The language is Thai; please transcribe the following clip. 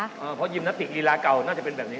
เพราะยิมนาติกลีลาเก่าน่าจะเป็นแบบนี้